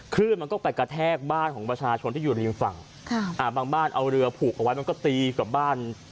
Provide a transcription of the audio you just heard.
ขึ้นมันก็ไปกระแทกบ้านของประชาชนที่อยู่ริมฝั่งค่ะอ่าบางบ้านเอาเรือผูกเอาไว้มันก็ตีกับบ้าน